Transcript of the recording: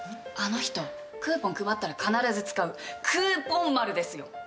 あの人クーポン配ったら必ず使うクーポンまるですよ。